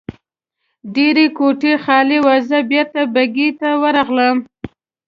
ډېرې کوټې خالي وې، زه بېرته بګۍ ته ورغلم.